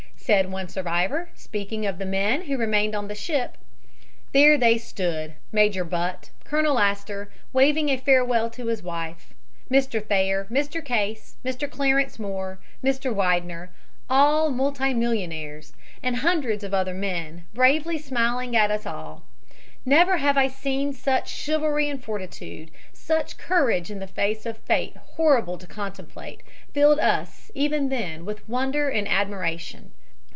Said one survivor, speaking of the men who remained on the ship. "There they stood Major Butt, Colonel Astor waving a farewell to his wife, Mr. Thayer, Mr. Case, Mr. Clarence Moore, Mr. Widener, all multimillionaires, and hundreds of other men, bravely smiling at us all. Never have I seen such chivalry and fortitude. Such courage in the face of fate horrible to contemplate filled us even then with wonder and admiration."